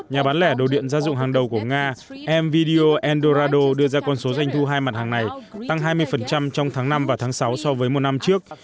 nhà bán lẻ đồ điện gia dụng hàng đầu của nga mvo endorado đưa ra con số doanh thu hai mặt hàng này tăng hai mươi trong tháng năm và tháng sáu so với một năm trước